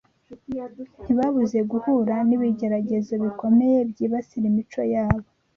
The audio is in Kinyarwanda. ntibabuze guhura n’ibigeragezo bikomeye byibasira imico yabo